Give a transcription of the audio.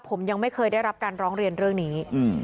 ผมยังไม่เคยได้รับการร้องเรียนเรื่องนี้